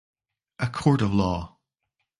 A court of law.